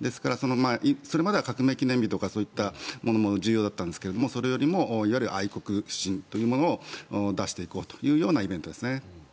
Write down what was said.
ですから、それまでは革命記念日とかそういったものも重要だったんですがそれよりもいわゆる愛国心というものを出していこうというイベントですね。